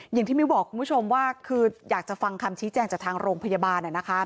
มิ้วบอกคุณผู้ชมว่าคืออยากจะฟังคำชี้แจงจากทางโรงพยาบาล